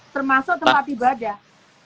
termasuk tempat ibadah